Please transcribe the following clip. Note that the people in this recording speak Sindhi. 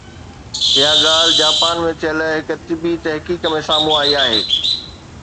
اها ڳالهه جاپان ۾ ٿيل هڪ طبي تحقيق ۾ سامهون آئي آهي